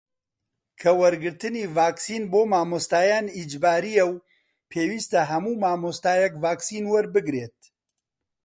کە وەرگرتنی ڤاکسین بۆ مامۆستایان ئیجبارییە و پێویستە هەموو مامۆستایەک ڤاکسین وەربگرێت